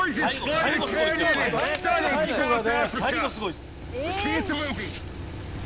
「最後すごいです」「ええー！」